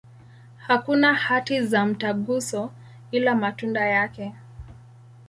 Hakuna hati za mtaguso, ila matunda yake.